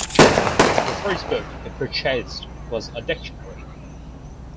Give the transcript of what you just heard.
The first book he purchased was a dictionary.